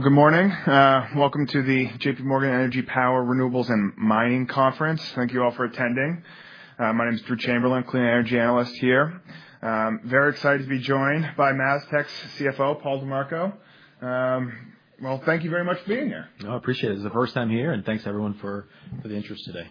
Good morning. Welcome to the JPMorgan Energy Power Renewables and Mining Conference. Thank you all for attending. My name is Drew Chamberlain, Clean Energy Analyst here. Very excited to be joined by MasTec's CFO, Paul DiMarco. Thank you very much for being here. No, I appreciate it. It's the first time here, and thanks to everyone for the interest today.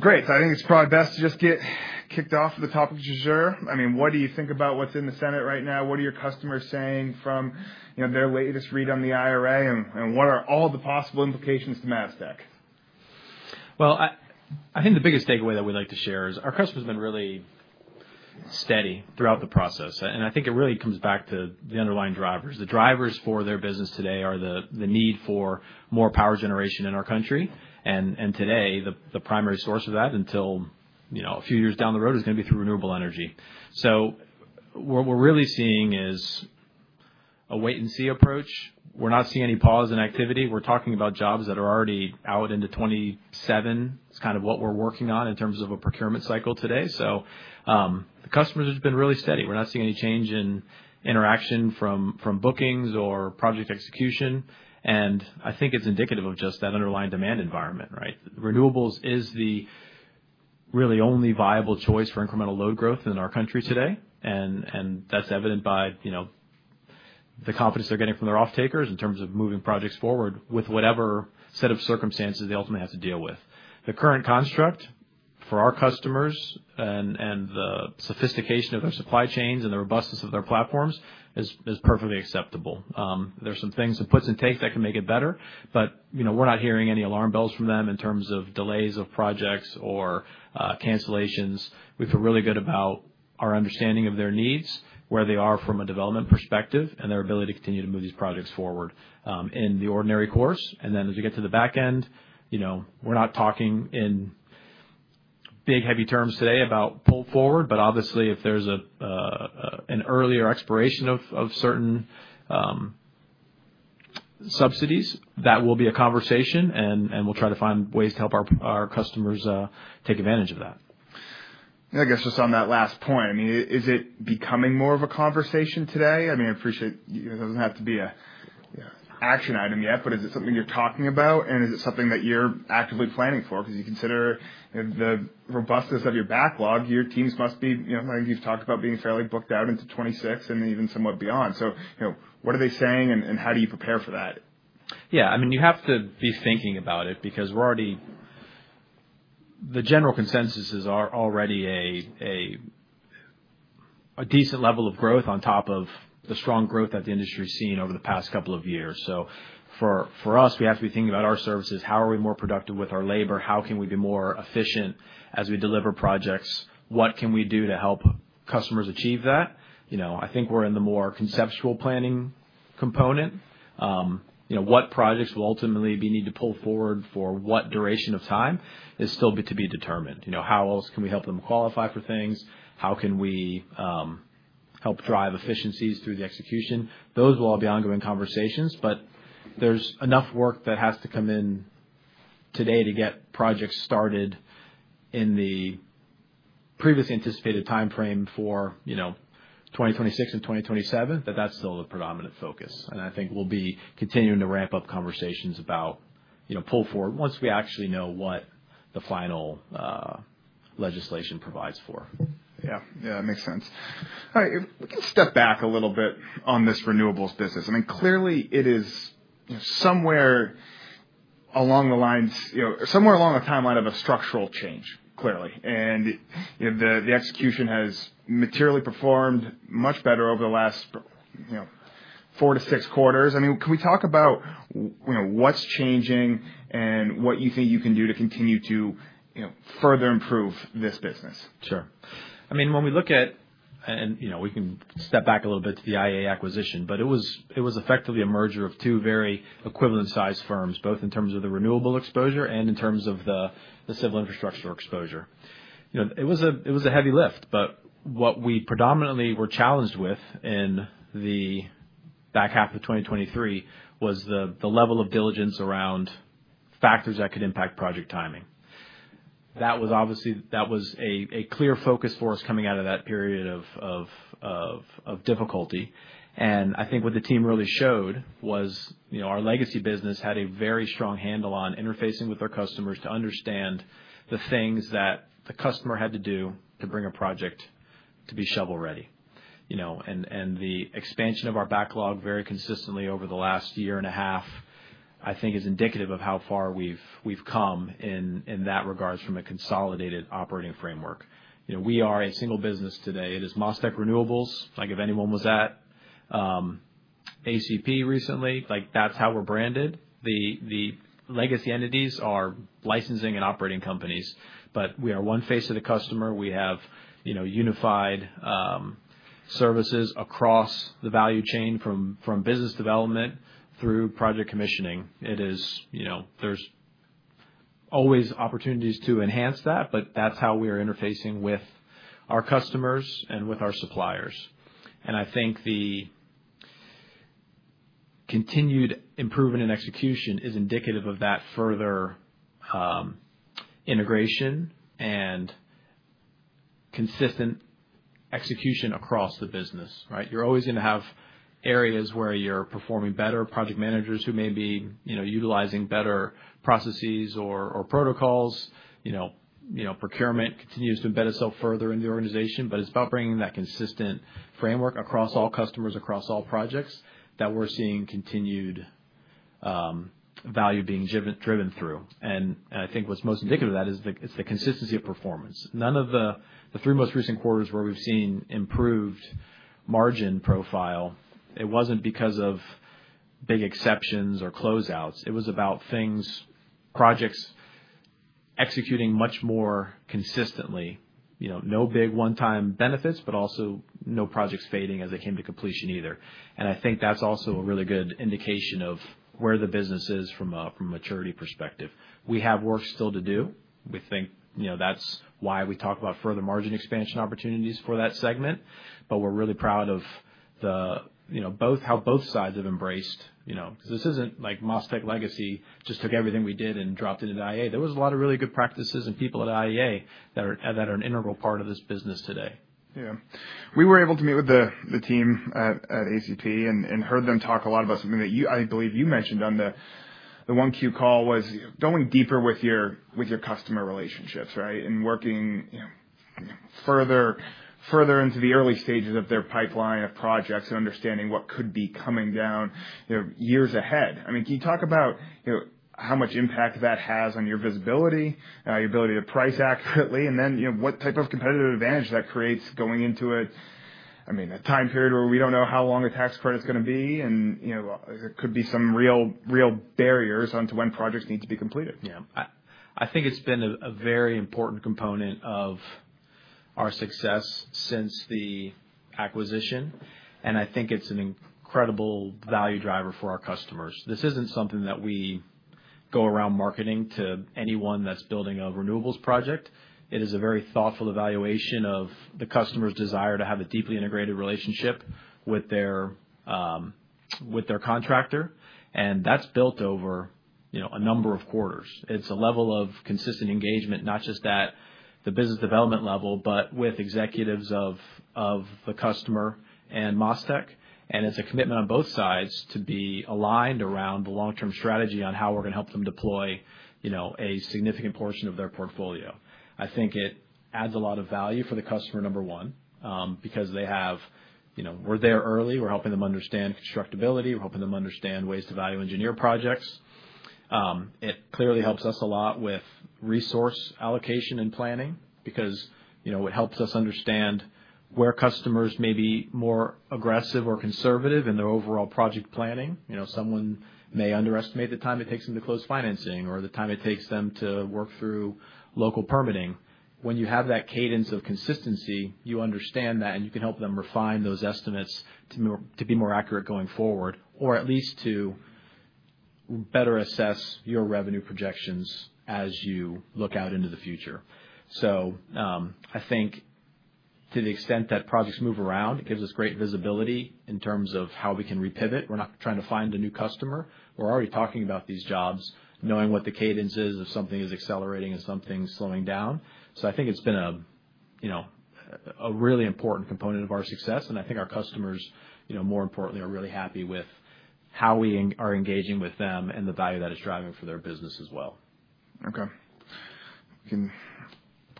Great. I think it's probably best to just get kicked off with the topic to share. I mean, what do you think about what's in the center right now? What are your customers saying from their latest read on the IRA, and what are all the possible implications to MasTec? I think the biggest takeaway that we'd like to share is our customers have been really steady throughout the process, and I think it really comes back to the underlying drivers. The drivers for their business today are the need for more power generation in our country, and today the primary source of that, until a few years down the road, is going to be through renewable energy. What we're really seeing is a wait-and-see approach. We're not seeing any pause in activity. We're talking about jobs that are already out into 2027. It's kind of what we're working on in terms of a procurement cycle today. The customers have been really steady. We're not seeing any change in interaction from bookings or project execution, and I think it's indicative of just that underlying demand environment, right? Renewables is really the only viable choice for incremental load growth in our country today, and that's evident by the confidence they're getting from their off-takers in terms of moving projects forward with whatever set of circumstances they ultimately have to deal with. The current construct for our customers and the sophistication of their supply chains and the robustness of their platforms is perfectly acceptable. There are some things that puts in take that can make it better, but we're not hearing any alarm bells from them in terms of delays of projects or cancellations. We feel really good about our understanding of their needs, where they are from a development perspective, and their ability to continue to move these projects forward in the ordinary course. And if we get to the back end, we're not talking in big, heavy terms today about pull forward, but obviously if there's an earlier expiration of certain subsidies, that will be a conversation, and we'll try to find ways to help our customers take advantage of that. I guess just on that last point, I mean, is it becoming more of a conversation today? I mean, I appreciate it does not have to be an action item yet, but is it something you are talking about, and is it something that you are actively planning for? Because you consider the robustness of your backlog, your teams must be, I think you have talked about being fairly booked out into 2026 and even somewhat beyond. So what are they saying, and how do you prepare for that? Yeah. I mean, you have to be thinking about it because we're already, the general consensus is already a decent level of growth on top of the strong growth that the industry's seen over the past couple of years. For us, we have to be thinking about our services. How are we more productive with our labor? How can we be more efficient as we deliver projects? What can we do to help customers achieve that? I think we're in the more conceptual planning component. What projects will ultimately be needed to pull forward for what duration of time is still to be determined? How else can we help them qualify for things? How can we help drive efficiencies through the execution? Those will all be ongoing conversations, but there's enough work that has to come in today to get projects started in the previously anticipated timeframe for 2026 and 2027 that that's still the predominant focus. I think we'll be continuing to ramp up conversations about pull forward once we actually know what the final legislation provides for. Yeah. Yeah. That makes sense. All right. If we can step back a little bit on this renewables business. I mean, clearly it is somewhere along the lines, somewhere along the timeline of a structural change, clearly. And the execution has materially performed much better over the last four to six quarters. I mean, can we talk about what's changing and what you think you can do to continue to further improve this business? Sure. I mean, when we look at, and we can step back a little bit to the IEA acquisition, but it was effectively a merger of two very equivalent-sized firms, both in terms of the renewable exposure and in terms of the civil infrastructure exposure. It was a heavy lift, but what we predominantly were challenged with in the back half of 2023 was the level of diligence around factors that could impact project timing. That was obviously, that was a clear focus for us coming out of that period of difficulty. I think what the team really showed was our legacy business had a very strong handle on interfacing with our customers to understand the things that the customer had to do to bring a project to be shovel-ready. The expansion of our backlog very consistently over the last year and a half, I think, is indicative of how far we've come in that regard from a consolidated operating framework. We are a single business today. It is MasTec Renewables, like if anyone was at ACP recently. That is how we're branded. The legacy entities are licensing and operating companies, but we are one face to the customer. We have unified services across the value chain from business development through project commissioning. There are always opportunities to enhance that, but that is how we are interfacing with our customers and with our suppliers. I think the continued improvement in execution is indicative of that further integration and consistent execution across the business, right? You are always going to have areas where you are performing better, project managers who may be utilizing better processes or protocols. Procurement continues to embed itself further in the organization, but it is about bringing that consistent framework across all customers, across all projects that we are seeing continued value being driven through. I think what is most indicative of that is the consistency of performance. None of the three most recent quarters where we have seen improved margin profile, it wasn't because of big exceptions or closeouts. It was about projects executing much more consistently. No big one-time benefits, but also no projects fading as they came to completion either. I think that is also a really good indication of where the business is from a maturity perspective. We have work still to do. We think that is why we talk about further margin expansion opportunities for that segment, but we are really proud of how both sides have embraced. Because this isn't like MasTec Legacy just took everything we did and dropped it into IEA. There was a lot of really good practices and people at IEA that are an integral part of this business today. Yeah. We were able to meet with the team at ACP and heard them talk a lot about something that I believe you mentioned on the 1Q call was going deeper with your customer relationships, right, and working further into the early stages of their pipeline of projects and understanding what could be coming down years ahead. I mean, can you talk about how much impact that has on your visibility, your ability to price accurately, and then what type of competitive advantage that creates going into a time period where we do not know how long the tax credit is going to be, and there could be some real barriers onto when projects need to be completed? Yeah. I think it's been a very important component of our success since the acquisition, and I think it's an incredible value driver for our customers. This isn't something that we go around marketing to anyone that's building a renewables project. It is a very thoughtful evaluation of the customer's desire to have a deeply integrated relationship with their contractor, and that's built over a number of quarters. It's a level of consistent engagement, not just at the business development level, but with executives of the customer and MasTec, and it's a commitment on both sides to be aligned around the long-term strategy on how we're going to help them deploy a significant portion of their portfolio. I think it adds a lot of value for the customer, number one, because they have, we're there early. We're helping them understand constructability. We're helping them understand ways to value engineer projects. It clearly helps us a lot with resource allocation and planning because it helps us understand where customers may be more aggressive or conservative in their overall project planning. Someone may underestimate the time it takes them to close financing or the time it takes them to work through local permitting. When you have that cadence of consistency, you understand that, and you can help them refine those estimates to be more accurate going forward, or at least to better assess your revenue projections as you look out into the future. I think to the extent that projects move around, it gives us great visibility in terms of how we can repivot. We're not trying to find a new customer. We're already talking about these jobs, knowing what the cadence is if something is accelerating and something's slowing down. I think it's been a really important component of our success, and I think our customers, more importantly, are really happy with how we are engaging with them and the value that it's driving for their business as well. Okay. We can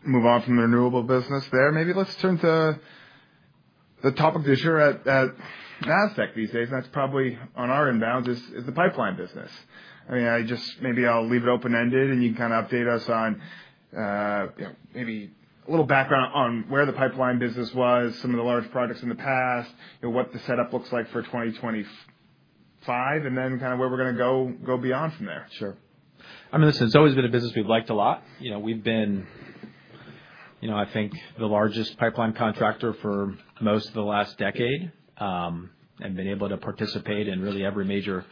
move on from the renewables business there. Maybe let's turn to the topic that you're at MasTec these days, and that's probably on our end bound, is the pipeline business. I mean, maybe I'll leave it open-ended, and you can kind of update us on maybe a little background on where the pipeline business was, some of the large projects in the past, what the setup looks like for 2025, and then kind of where we're going to go beyond from there. Sure. I mean, listen, it's always been a business we've liked a lot. We've been, I think, the largest pipeline contractor for most of the last decade and been able to participate in really every major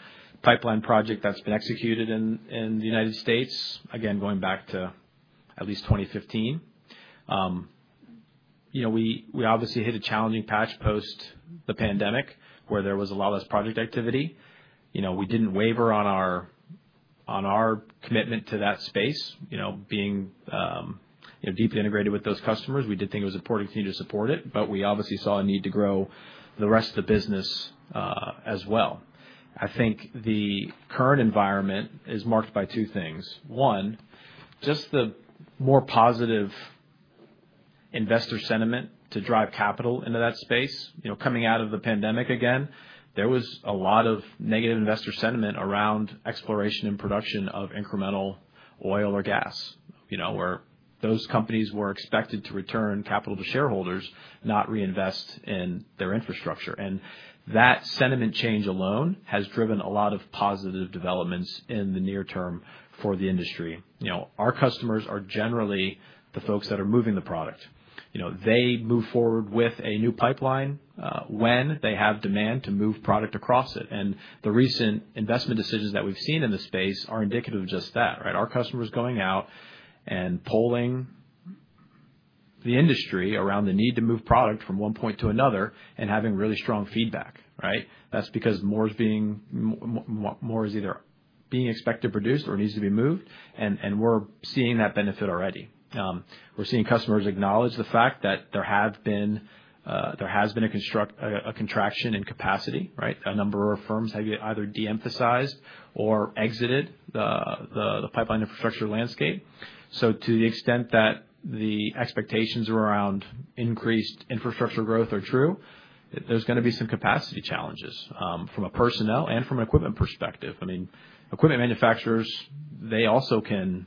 pipeline project that's been executed in the United States, again, going back to at least 2015. We obviously hit a challenging patch post the pandemic where there was a lot less project activity. We didn't waver on our commitment to that space, being deeply integrated with those customers. We did think it was important for you to support it, but we obviously saw a need to grow the rest of the business as well. I think the current environment is marked by two things. One, just the more positive investor sentiment to drive capital into that space. Coming out of the pandemic again, there was a lot of negative investor sentiment around exploration and production of incremental oil or gas, where those companies were expected to return capital to shareholders, not reinvest in their infrastructure. That sentiment change alone has driven a lot of positive developments in the near term for the industry. Our customers are generally the folks that are moving the product. They move forward with a new pipeline when they have demand to move product across it. The recent investment decisions that we've seen in the space are indicative of just that, right? Our customers going out and polling the industry around the need to move product from one point to another and having really strong feedback, right? That's because more is either being expected to produce or needs to be moved, and we're seeing that benefit already. We're seeing customers acknowledge the fact that there has been a contraction in capacity, right? A number of firms have either de-emphasized or exited the pipeline infrastructure landscape. To the extent that the expectations around increased infrastructure growth are true, there's going to be some capacity challenges from a personnel and from an equipment perspective. I mean, equipment manufacturers, they also can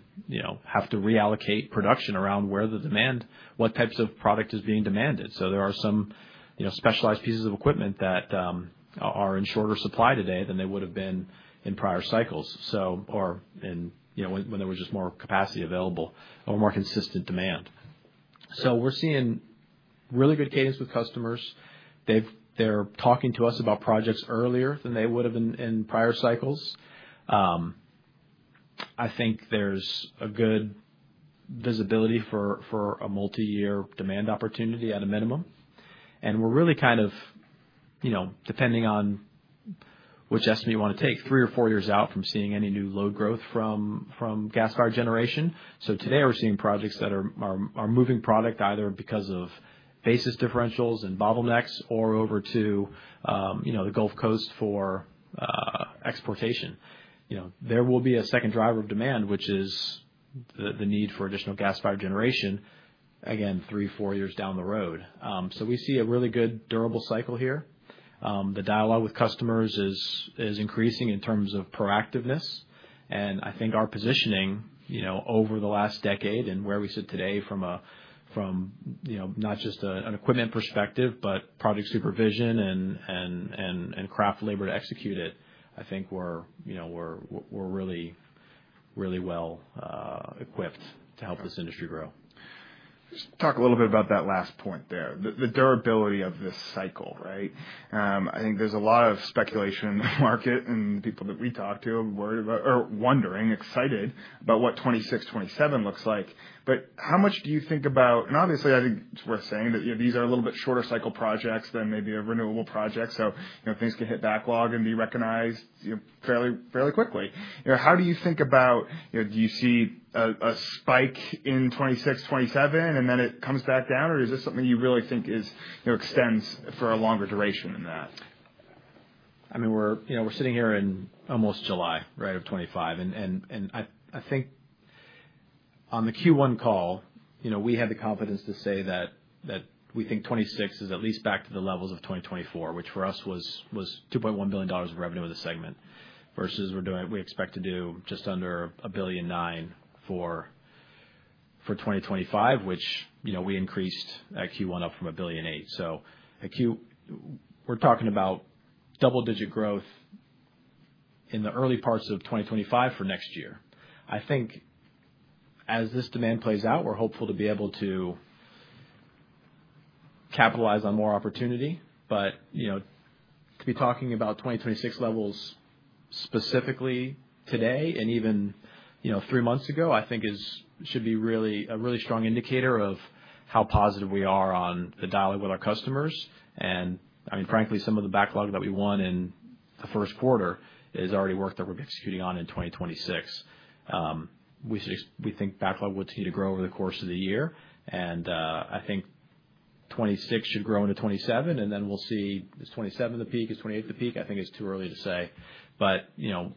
have to reallocate production around where the demand, what types of product is being demanded. There are some specialized pieces of equipment that are in shorter supply today than they would have been in prior cycles, or when there was just more capacity available or more consistent demand. We're seeing really good cadence with customers. They're talking to us about projects earlier than they would have in prior cycles. I think there's a good visibility for a multi-year demand opportunity at a minimum. We're really kind of, depending on which estimate you want to take, three or four years out from seeing any new load growth from gas fired generation. Today we're seeing projects that are moving product either because of basis differentials and bottlenecks or over to the Gulf Coast for exportation. There will be a second driver of demand, which is the need for additional gas fired generation, again, three, four years down the road. We see a really good durable cycle here. The dialogue with customers is increasing in terms of proactiveness. I think our positioning over the last decade and where we sit today from not just an equipment perspective, but project supervision and craft labor to execute it, I think we're really well equipped to help this industry grow. Just talk a little bit about that last point there, the durability of this cycle, right? I think there's a lot of speculation in the market and the people that we talk to are wondering, excited about what 2026, 2027 looks like. How much do you think about, and obviously, I think it's worth saying that these are a little bit shorter cycle projects than maybe a renewable project, so things can hit backlog and be recognized fairly quickly. How do you think about, do you see a spike in 2026, 2027, and then it comes back down, or is this something you really think extends for a longer duration than that? I mean, we're sitting here in almost July, right, of 2025. And I think on the Q1 call, we had the confidence to say that we think 2026 is at least back to the levels of 2024, which for us was $2.1 billion of revenue in the segment versus we expect to do just under $1.9 billion for 2025, which we increased at Q1 up from $1.8 billion. So we're talking about double-digit growth in the early parts of 2025 for next year. I think as this demand plays out, we're hopeful to be able to capitalize on more opportunity. But to be talking about 2026 levels specifically today and even three months ago, I think should be a really strong indicator of how positive we are on the dialogue with our customers. I mean, frankly, some of the backlog that we won in the first quarter is already work that we're executing on in 2026. We think backlog will continue to grow over the course of the year. I think 2026 should grow into 2027, and then we'll see is 2027 the peak, is 2028 the peak? I think it's too early to say.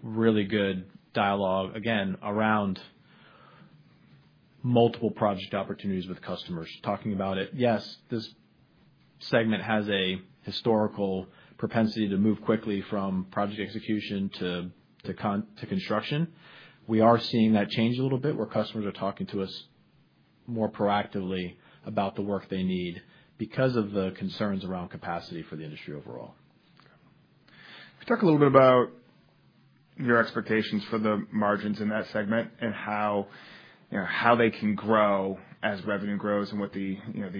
Really good dialogue, again, around multiple project opportunities with customers talking about it. Yes, this segment has a historical propensity to move quickly from project execution to construction. We are seeing that change a little bit where customers are talking to us more proactively about the work they need because of the concerns around capacity for the industry overall. Okay. Talk a little bit about your expectations for the margins in that segment and how they can grow as revenue grows and what the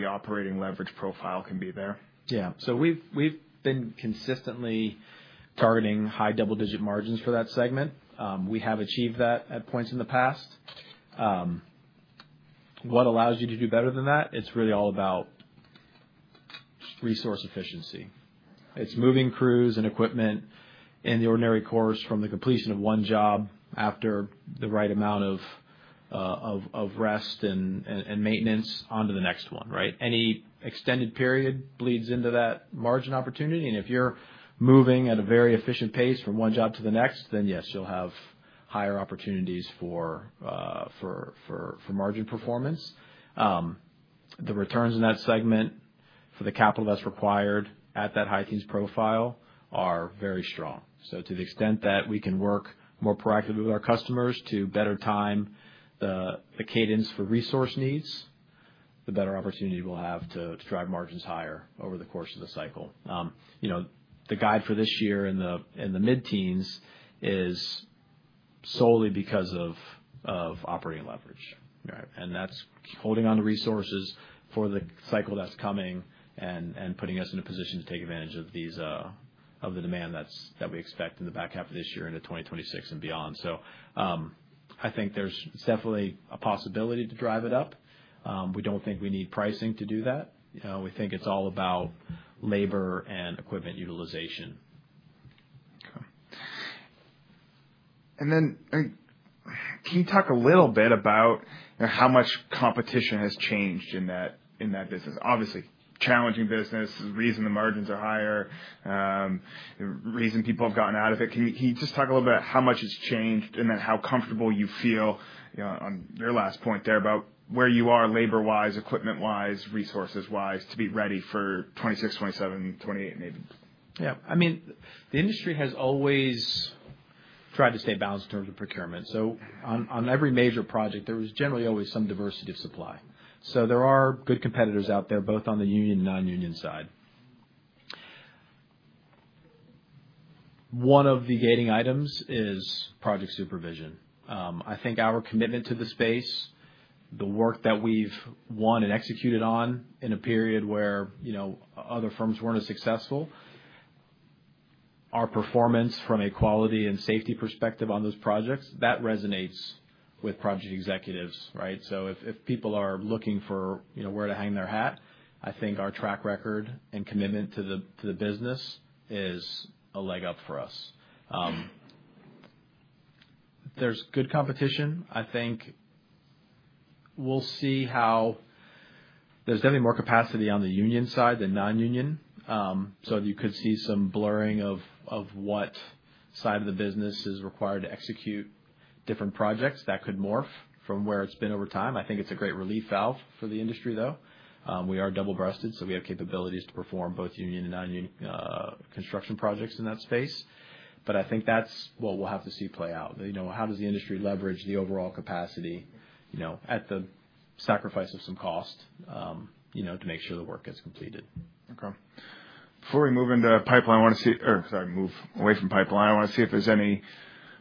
operating leverage profile can be there. Yeah. So we've been consistently targeting high double-digit margins for that segment. We have achieved that at points in the past. What allows you to do better than that? It's really all about resource efficiency. It's moving crews and equipment in the ordinary course from the completion of one job after the right amount of rest and maintenance onto the next one, right? Any extended period bleeds into that margin opportunity. If you're moving at a very efficient pace from one job to the next, then yes, you'll have higher opportunities for margin performance. The returns in that segment for the capital that's required at that high teens profile are very strong. To the extent that we can work more proactively with our customers to better time the cadence for resource needs, the better opportunity we'll have to drive margins higher over the course of the cycle. The guide for this year in the mid-teens is solely because of operating leverage, right? That is holding on to resources for the cycle that is coming and putting us in a position to take advantage of the demand that we expect in the back half of this year into 2026 and beyond. I think there is definitely a possibility to drive it up. We do not think we need pricing to do that. We think it is all about labor and equipment utilization. Okay. Can you talk a little bit about how much competition has changed in that business? Obviously, challenging business is the reason the margins are higher, the reason people have gotten out of it. Can you just talk a little bit about how much it's changed and then how comfortable you feel on your last point there about where you are labor-wise, equipment-wise, resources-wise to be ready for 2026, 2027, and 2028, maybe? Yeah. I mean, the industry has always tried to stay balanced in terms of procurement. On every major project, there was generally always some diversity of supply. There are good competitors out there, both on the union and non-union side. One of the gating items is project supervision. I think our commitment to the space, the work that we've won and executed on in a period where other firms were not as successful, our performance from a quality and safety perspective on those projects, that resonates with project executives, right? If people are looking for where to hang their hat, I think our track record and commitment to the business is a leg up for us. There is good competition. I think we'll see how there's definitely more capacity on the union side than non-union. You could see some blurring of what side of the business is required to execute different projects that could morph from where it's been over time. I think it's a great relief valve for the industry, though. We are double-breasted, so we have capabilities to perform both union and non-union construction projects in that space. I think that's what we'll have to see play out. How does the industry leverage the overall capacity at the sacrifice of some cost to make sure the work gets completed? Okay. Before we move into pipeline, I want to see, or sorry, move away from pipeline, I want to see if there's any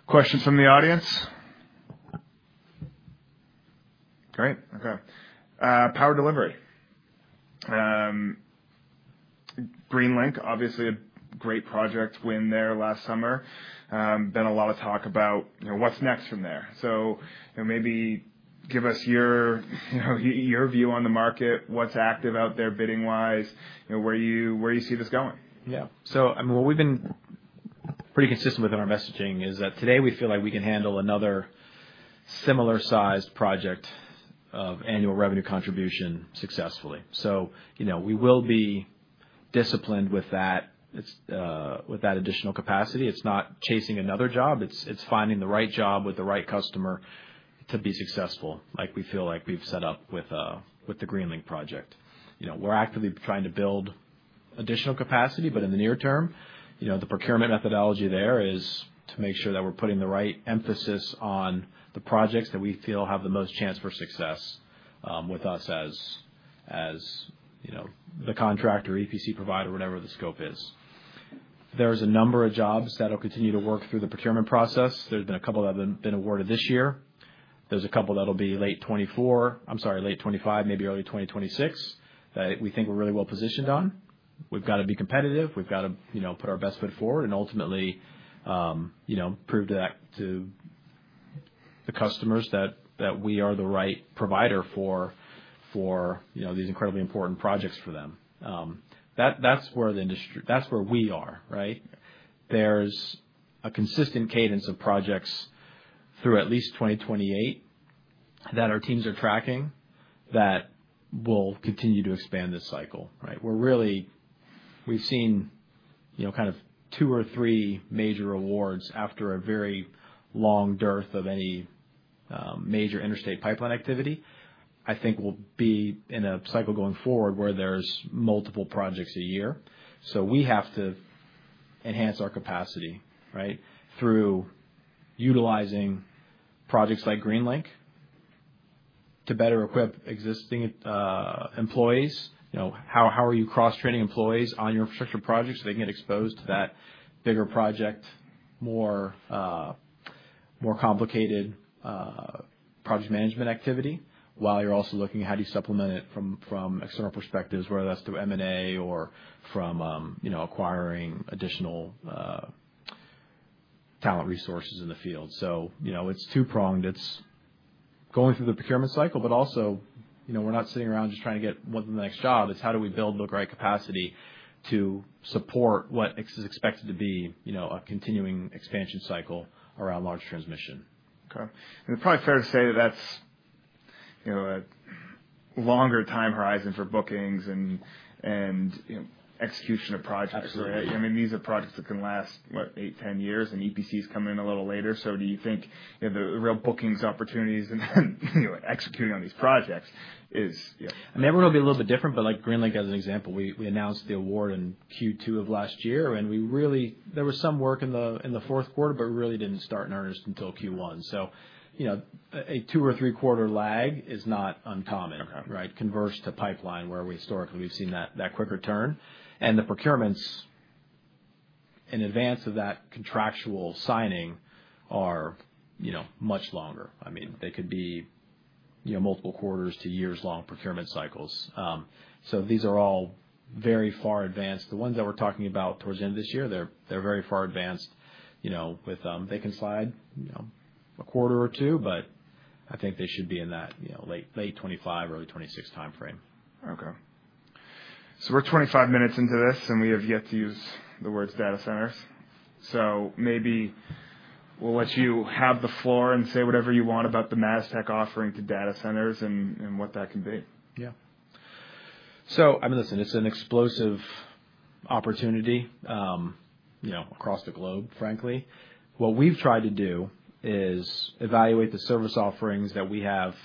questions from the audience. Great. Okay. Power delivery. GreenLink, obviously a great project, win there last summer. Been a lot of talk about what's next from there. Maybe give us your view on the market, what's active out there bidding-wise, where you see this going. Yeah. I mean, what we've been pretty consistent with in our messaging is that today we feel like we can handle another similar-sized project of annual revenue contribution successfully. We will be disciplined with that additional capacity. It's not chasing another job. It's finding the right job with the right customer to be successful, like we feel like we've set up with the GreenLink project. We're actively trying to build additional capacity, but in the near term, the procurement methodology there is to make sure that we're putting the right emphasis on the projects that we feel have the most chance for success with us as the contractor, EPC provider, whatever the scope is. There are a number of jobs that will continue to work through the procurement process. There have been a couple that have been awarded this year. There's a couple that'll be late 2024, I'm sorry, late 2025, maybe early 2026, that we think we're really well positioned on. We've got to be competitive. We've got to put our best foot forward and ultimately prove to the customers that we are the right provider for these incredibly important projects for them. That's where the industry, that's where we are, right? There's a consistent cadence of projects through at least 2028 that our teams are tracking that will continue to expand this cycle, right? We've seen kind of two or three major awards after a very long dearth of any major interstate pipeline activity. I think we'll be in a cycle going forward where there's multiple projects a year. We have to enhance our capacity, right, through utilizing projects like GreenLink to better equip existing employees. How are you cross-training employees on your infrastructure projects so they can get exposed to that bigger project, more complicated project management activity while you're also looking at how do you supplement it from external perspectives, whether that's through M&A or from acquiring additional talent resources in the field. It is two-pronged. It is going through the procurement cycle, but also we're not sitting around just trying to get one of the next jobs. It is how do we build the right capacity to support what is expected to be a continuing expansion cycle around large transmission. Okay. It's probably fair to say that that's a longer time horizon for bookings and execution of projects. I mean, these are projects that can last, what, 8, 10 years, and EPCs come in a little later. Do you think the real bookings opportunities and executing on these projects is? They were going to be a little bit different, but like GreenLink as an example, we announced the award in Q2 of last year, and there was some work in the fourth quarter, but it really did not start in earnest until Q1. A two or three-quarter lag is not uncommon, right, converse to pipeline where historically we have seen that quicker turn. The procurements in advance of that contractual signing are much longer. I mean, they could be multiple quarters to years-long procurement cycles. These are all very far advanced. The ones that we are talking about towards the end of this year, they are very far advanced with them. They can slide a quarter or two, but I think they should be in that late 2025, early 2026 timeframe. Okay. So we're 25 minutes into this, and we have yet to use the words data centers. Maybe we'll let you have the floor and say whatever you want about the MasTec offering to data centers and what that can be. Yeah. So I mean, listen, it's an explosive opportunity across the globe, frankly. What we've tried to do is evaluate the service offerings that we have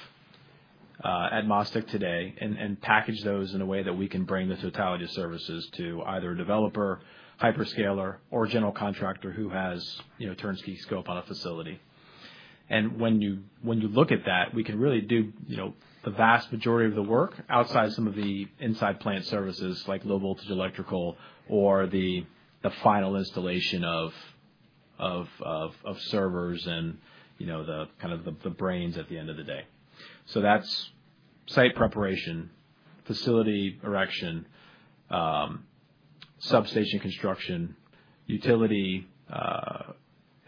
at MasTec today and package those in a way that we can bring the totality of services to either a developer, hyperscaler, or general contractor who has turnkey scope on a facility. When you look at that, we can really do the vast majority of the work outside some of the inside plant services like low-voltage electrical or the final installation of servers and kind of the brains at the end of the day. That's site preparation, facility erection, substation construction, utility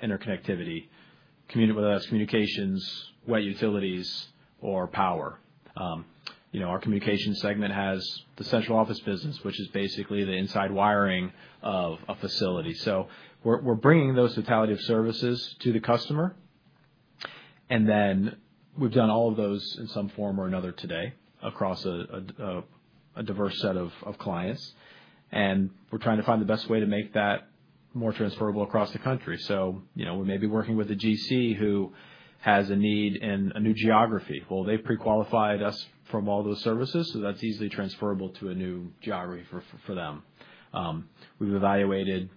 interconnectivity, whether that's communications, wet utilities, or power. Our communication segment has the central office business, which is basically the inside wiring of a facility. We're bringing those totality of services to the customer, and then we've done all of those in some form or another today across a diverse set of clients. We're trying to find the best way to make that more transferable across the country. We may be working with a GC who has a need in a new geography. They've pre-qualified us from all those services, so that's easily transferable to a new geography for them. We've evaluated.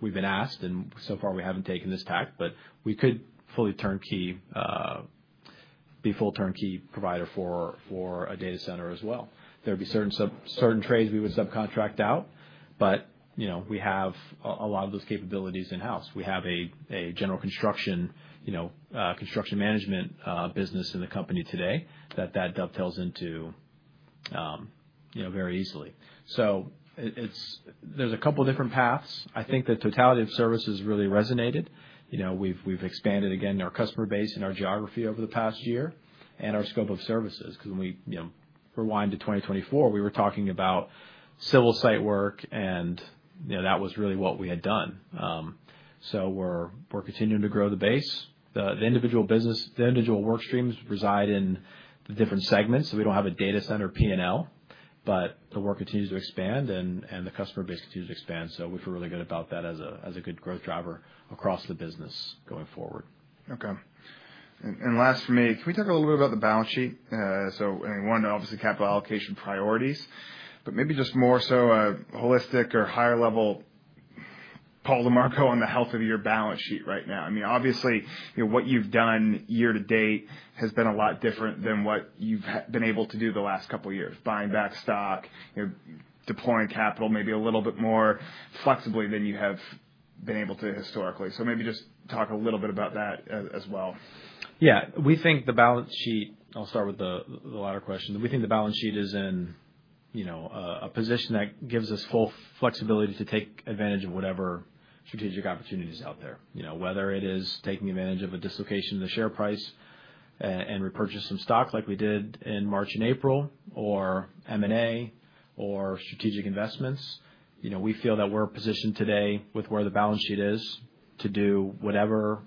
We've been asked, and so far we haven't taken this tact, but we could fully turnkey, be full turnkey provider for a data center as well. There would be certain trades we would subcontract out, but we have a lot of those capabilities in-house. We have a general construction management business in the company today that dovetails into that very easily. There's a couple of different paths. I think the totality of services really resonated. We've expanded, again, our customer base and our geography over the past year and our scope of services. Because when we rewind to 2024, we were talking about civil site work, and that was really what we had done. We're continuing to grow the base. The individual work streams reside in the different segments, so we do not have a data center P&L, but the work continues to expand and the customer base continues to expand. We feel really good about that as a good growth driver across the business going forward. Okay. Last for me, can we talk a little bit about the balance sheet? I mean, one obviously capital allocation priorities, but maybe just more so a holistic or higher level, Paul DiMarco, on the health of your balance sheet right now. I mean, obviously, what you have done year to date has been a lot different than what you have been able to do the last couple of years, buying back stock, deploying capital maybe a little bit more flexibly than you have been able to historically. Maybe just talk a little bit about that as well. Yeah. We think the balance sheet, I'll start with the latter question. We think the balance sheet is in a position that gives us full flexibility to take advantage of whatever strategic opportunities are out there, whether it is taking advantage of a dislocation of the share price and repurchase some stock like we did in March and April, or M&A or strategic investments. We feel that we're positioned today with where the balance sheet is to do whatever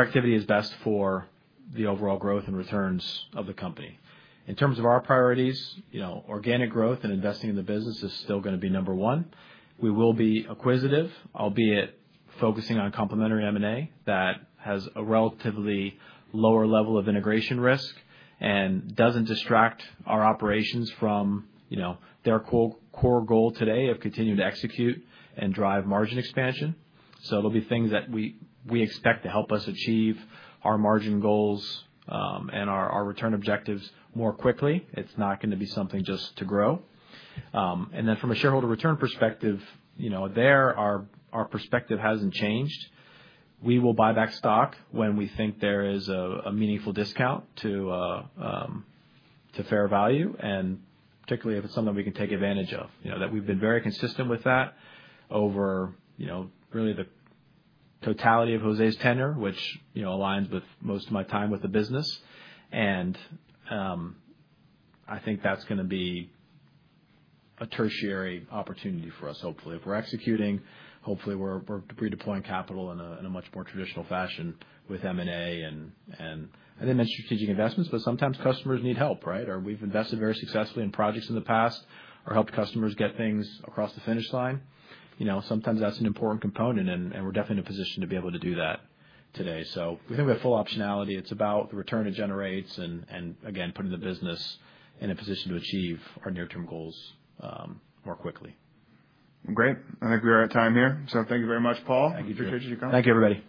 activity is best for the overall growth and returns of the company. In terms of our priorities, organic growth and investing in the business is still going to be number one. We will be acquisitive, albeit focusing on complementary M&A that has a relatively lower level of integration risk and does not distract our operations from their core goal today of continuing to execute and drive margin expansion. It'll be things that we expect to help us achieve our margin goals and our return objectives more quickly. It's not going to be something just to grow. From a shareholder return perspective, our perspective hasn't changed. We will buy back stock when we think there is a meaningful discount to fair value, and particularly if it's something we can take advantage of. We've been very consistent with that over really the totality of José's tenure, which aligns with most of my time with the business. I think that's going to be a tertiary opportunity for us, hopefully. If we're executing, hopefully we're redeploying capital in a much more traditional fashion with M&A, and I didn't mention strategic investments, but sometimes customers need help, right? Or we've invested very successfully in projects in the past or helped customers get things across the finish line. Sometimes that's an important component, and we're definitely in a position to be able to do that today. We think we have full optionality. It's about the return it generates and, again, putting the business in a position to achieve our near-term goals more quickly. Great. I think we are at time here. So thank you very much, Paul. Thank you [for your courtesy and your comment.] [Thank you.]